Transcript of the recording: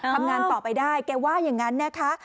ทำงานต่อไปได้แกว่าอย่างนั้นนะคะ